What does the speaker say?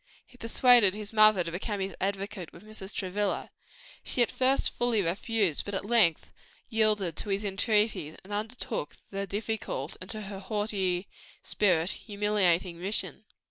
He persuaded his mother to become his advocate with Mrs. Travilla. She at first flatly refused, but at length yielded to his entreaties, and undertook the difficult, and to her haughty spirit, humiliating mission.